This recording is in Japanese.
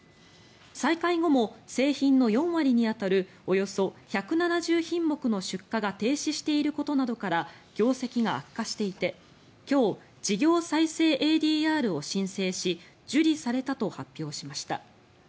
再開後も製品の４割に当たるおよそ１７０品目の出荷が停止していることなどから業績が悪化していて今日、事業再生ＡＤＲを申請し受理されたと発表しました。